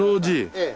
ええ。